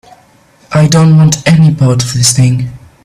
I don't want any part of this thing.